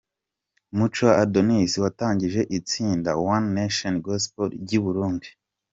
Muco Adonis watangije itsinda One Nation Gospel ry'i Burundi.